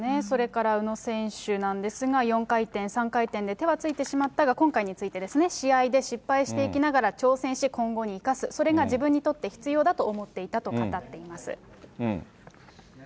それから、宇野選手なんですが、４回転、３回転で手はついてしまったが、今回についてですね、試合で失敗していきながら、挑戦し、今後に生かす、それが自分にとって必要だと思っていたと語っています。